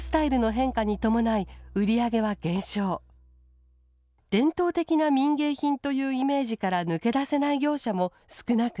「伝統的な民芸品」というイメージから抜け出せない業者も少なくなかった。